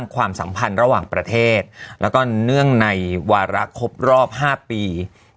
กว่ารักครบรอบ๕ปี